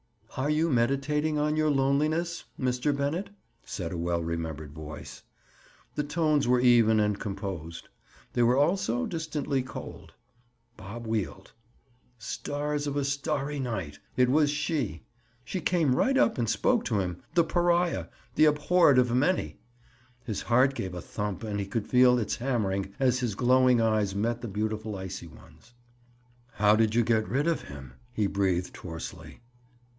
"Are you meditating on your loneliness, Mr. Bennett?" said a well remembered voice. The tones were even and composed. They were also distantly cold. Bob wheeled. Stars of a starry night! It was she. She came right up and spoke to him—the pariah—the abhorred of many! His heart gave a thump and he could feel its hammering as his glowing eyes met the beautiful icy ones. "How did you get rid of him?" he breathed hoarsely.